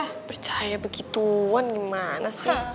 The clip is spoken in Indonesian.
wah percaya begituan gimana sih